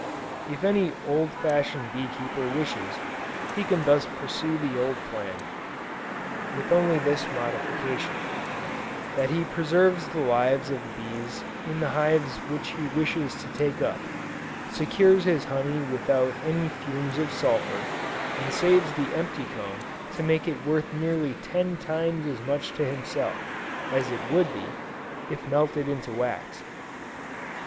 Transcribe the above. If any old fashioned bee keeper wishes, he can thus pursue the old plan, with only this modification; that he preserves the lives of the bees in the hives which he wishes to take up; secures his honey without any fumes of sulphur, and saves the empty comb to make it worth nearly ten times as much to himself, as it would be, if melted into wax.